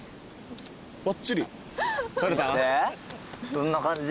どんな感じ？